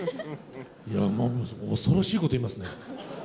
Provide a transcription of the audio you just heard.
いや、恐ろしいこと言いますね。